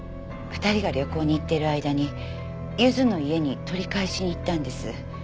２人が旅行に行っている間にゆずの家に取り返しに行ったんです。